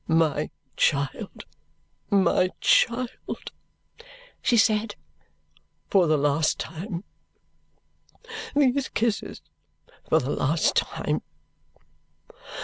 "My child, my child!" she said. "For the last time! These kisses for the last time!